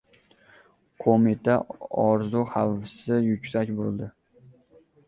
Qo‘mita orzu-havasi yuksak bo‘ldi: